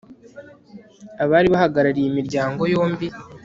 abari bahagarariye imiryango yombi